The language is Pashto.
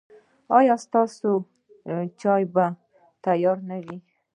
ایا ستاسو چای به تیار نه وي؟